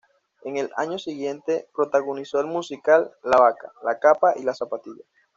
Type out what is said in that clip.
El año siguiente protagonizó el musical "La Vaca, la Capa y la Zapatilla".